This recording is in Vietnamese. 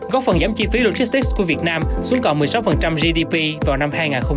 góp phần giảm chi phí logistics của việt nam xuống còn một mươi sáu gdp vào năm hai nghìn hai mươi